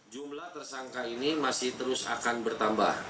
jumlah tersangka ini masih terus akan bertambah